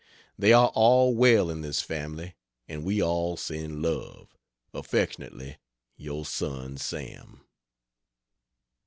They are all well in this family, and we all send love. Affly Your Son SAM.